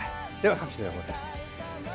各地の予報です。